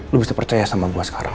lo bisa percaya sama gue sekarang